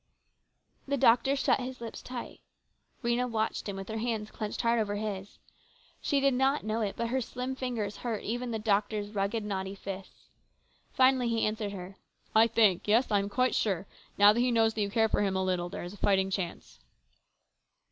The doctor shut his lips tight. Rhena watched him with her hands clenched hard over his. She did not know it, but her slim fingers hurt even the doctor's rugged, knotty fists. Finally he answered her. " I think, yes, I am quite sure, now that he knows that you care for him a little, there is a fighting chance."